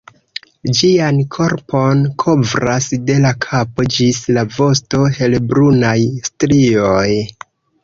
Ĝian korpon kovras de la kapo ĝis la vosto helbrunaj strioj.